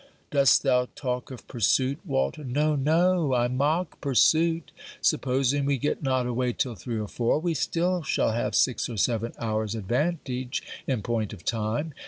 Dost thou talk of pursuit, Walter. No! no! I mock pursuit! Supposing we get not away till three or four, we still shall have six or seven hours advantage in point of time.